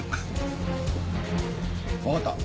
わかった！